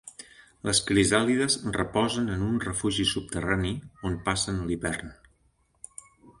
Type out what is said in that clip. Les crisàlides reposen en un refugi subterrani, on passen l'hivern.